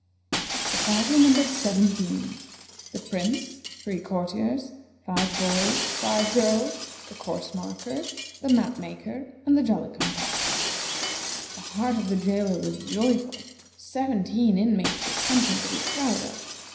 The party numbered seventeen: the Prince, three courtiers, five boys, five girls, the course marker, the map maker, and the Jolly cum pop. The heart of the jailer was joyful; seventeen inmates was something to be proud of.